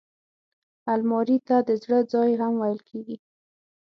الماري ته د زړه ځای هم ویل کېږي